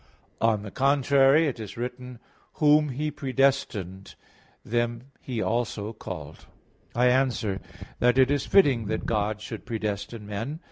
On the contrary, It is written (Rom. 8:30): "Whom He predestined, them He also called." I answer that, It is fitting that God should predestine men.